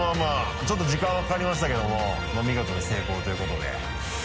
ちょっと時間はかかりましたけども見事に成功ということで。